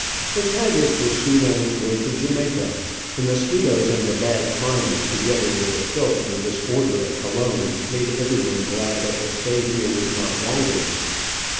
The Tagus was soon on its way to Jamaica. The mosquitoes and the bad climate, together with the filth and disorder of Colon, made everyone glad that the stay here was not longer.